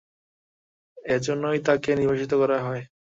এজন্যই তাকে নির্বাসিত করা হয়।